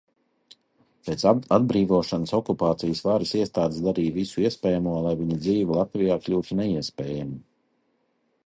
Pēc atbrīvošanas okupācijas varas iestādes darīja visu iespējamo, lai viņa dzīve Latvijā kļūtu neiespējama.